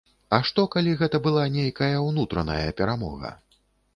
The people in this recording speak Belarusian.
А што калі гэта была нейкая ўнутраная перамога?